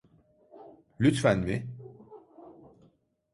Lütfen mi?